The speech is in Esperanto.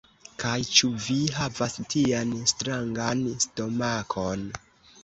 Kaj, ĉu vi havas tian strangan stomakon?